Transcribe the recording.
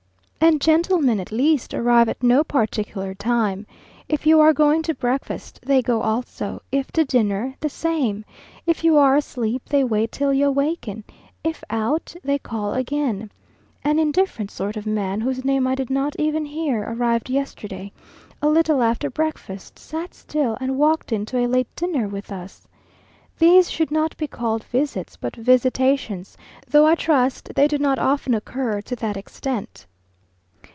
And gentlemen, at least, arrive at no particular time. If you are going to breakfast, they go also if to dinner, the same if you are asleep, they wait till you awaken if out, they call again. An indifferent sort of man, whose name I did not even hear, arrived yesterday, a little after breakfast, sat still, and walked in to a late dinner with us! These should not be called visits, but visitations, though I trust they do not often occur to that extent.